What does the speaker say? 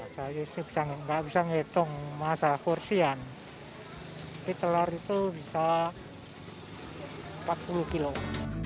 saya bisa gak ngitung masalah kursian tapi telur itu bisa empat puluh kg